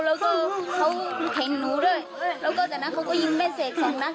แล้วก็เขาเห็นหนูด้วยแล้วก็จากนั้นเขาก็ยิงแม่เสกสองนัด